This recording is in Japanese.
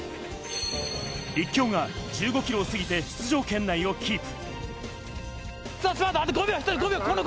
立教が１５ｋｍをすぎて出場圏内をキープ。